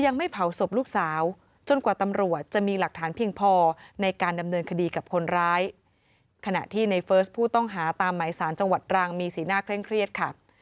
ในศเจมส์จังหวัดดรังมีสีหน้าเคร่งเครียดค่ะ